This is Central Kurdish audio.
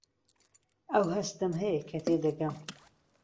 ئەو هەستەم هەیە کە تێدەگەم.